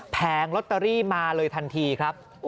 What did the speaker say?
แผงลอตเตอรี่มาเลยทันทีครับ